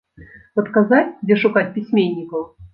Падказаць, дзе шукаць пісьменнікаў.